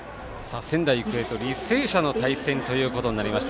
仙台育英と履正社の対戦ということになりました。